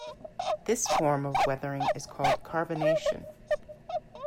This form of weathering is called carbonation.